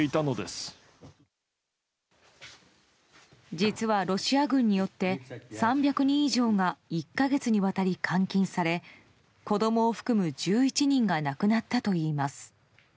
実はロシア軍によって３００人以上が１か月にわたり監禁され子供を含む１１人が亡くなったといいます。